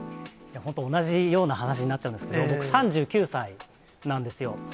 本当、同じような話になっちゃうんですけど、僕、３９歳なんですよ。